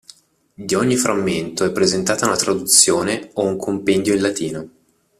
Di ogni frammento è presentata una traduzione o un compendio in latino.